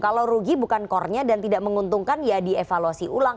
kalau rugi bukan core nya dan tidak menguntungkan ya dievaluasi ulang